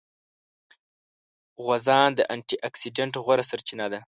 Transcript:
غوزان د انټي اکسیډېنټ غوره سرچینه ده.